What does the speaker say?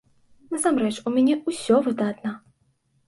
Насамрэч, у мяне ўсё выдатна!